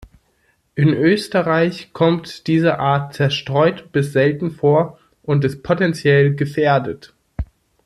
In Österreich kommt diese Art zerstreut bis selten vor und ist potentiell gefährdet.